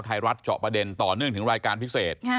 ไทยรัฐเจาะประเด็นต่อเนื่องถึงรายการพิเศษ